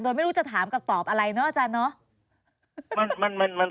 โดยไม่รู้จะถามกับตอบอะไรเนอะอาจารย์เนอะมันมันมันมัน